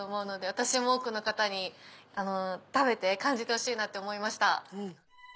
私も多くの方に食べて感じてほしいなと思いました。